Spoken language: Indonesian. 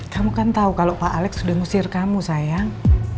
kamu kan tahu kalau pak alex sudah ngusir kamu sayang